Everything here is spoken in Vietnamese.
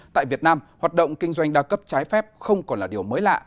tại việt nam hoạt động kinh doanh đa cấp trái phép không còn là điều mới lạ